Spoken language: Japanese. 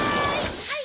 はい！